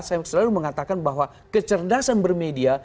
saya selalu mengatakan bahwa kecerdasan bermedia